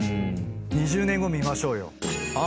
２０年後見ましょうよ。